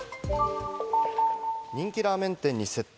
人気ラーメン店に窃盗。